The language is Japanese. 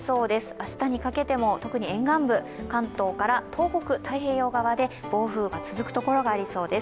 明日にかけても、特に沿岸部、関東から東北、太平洋側で暴風雨が続く所がありそうです。